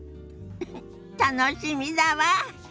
ウフ楽しみだわ！